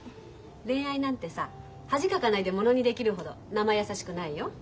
恋愛なんてさ恥かかないでものにできるほどなまやさしくないよ。